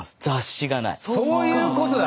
そういうことだ。